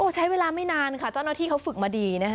ใช้เวลาไม่นานค่ะเจ้าหน้าที่เขาฝึกมาดีนะคะ